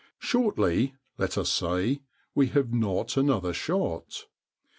Shortly, let us say, we have not another shot.